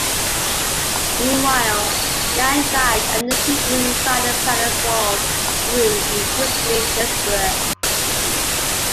Meanwhile, Yang died, and the people inside the palace walls grew increasingly desperate.